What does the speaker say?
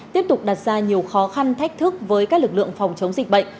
tiếp tục đặt ra nhiều khó khăn thách thức với các lực lượng phòng chống dịch bệnh